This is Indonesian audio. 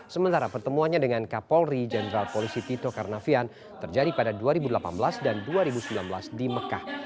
sementara pertemuannya dengan kapolri jenderal polisi tito karnavian terjadi pada dua ribu delapan belas dan dua ribu sembilan belas di mekah